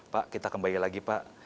pak kita kembali lagi pak